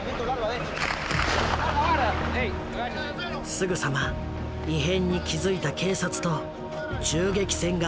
すぐさま異変に気付いた警察と銃撃戦が始まった。